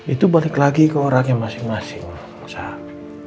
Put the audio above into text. itu balik lagi ke orang yang masing masing saad